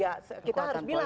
ya kita harus bilang